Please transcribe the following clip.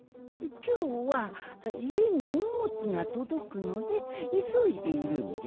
きょうはいえににもつがとどくのでいそいでいるんじゃ。